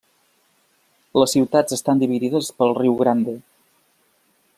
Les ciutats estan dividides pel Riu Grande.